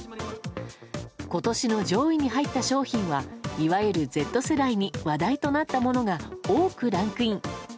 今年の上位に入った商品はいわゆるＺ世代に話題となったものが多くランクイン。